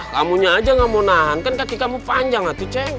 kamunya aja gak mau nahan kan kaki kamu panjang hati ceng